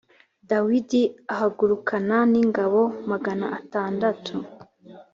dawidi ahagurukana n ingabo magana atandatu